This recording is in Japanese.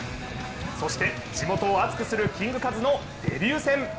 そして、地元を熱くするキングカズのデビュー戦。